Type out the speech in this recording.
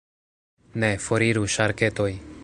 Ne, foriru ŝarketoj!